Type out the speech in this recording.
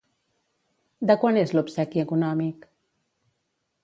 De quant és l'obsequi econòmic?